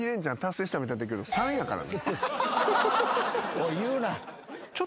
おい言うな。